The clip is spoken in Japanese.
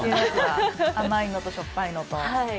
甘いのと、しょっぱいのと。